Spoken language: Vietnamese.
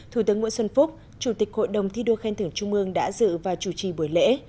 thủ tướng nguyễn xuân phúc chủ tịch hội đồng thi đua khen thưởng trung mương đã dự và chủ trì buổi lễ